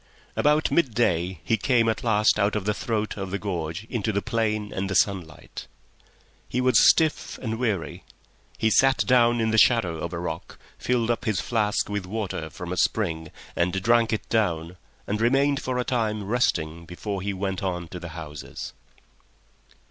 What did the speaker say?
About midday he came at last out of the throat of the gorge into the plain and the sunlight. He was stiff and weary; he sat down in the shadow of a rock, filled up his flask with water from a spring and drank it down, and remained for a time, resting before he went on to the houses.